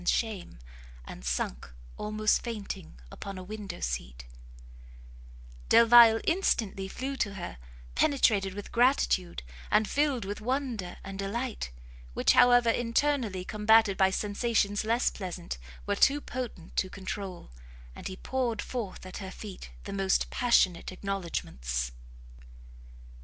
Delvile instantly flew to her, penetrated with gratitude, and filled with wonder and delight, which, however internally combated by sensations less pleasant, were too potent for controul, and he poured forth at her feet the most passionate acknowledgments.